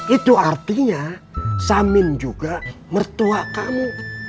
itu artinya samin juga mertua kamu